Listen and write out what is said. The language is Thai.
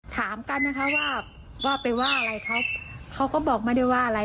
ถามกันว่าไปว่าอะไรเขาก็บอกมาได้ว่าอะไร